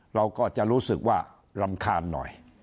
เราก็จะรู้สึกว่ารำคาญหน่อย